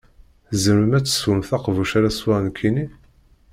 Tzemrem ad teswem taqbuct ara sweɣ nekkini?